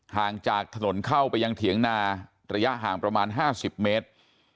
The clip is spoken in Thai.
ห่างจากถนนเข้าไปยังเถียงนาระยะห่างประมาณ๕๐เมตร